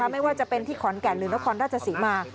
ไม่ว่าจะเป็นที่ขอนแก่นหรือที่ขอนราชสิมา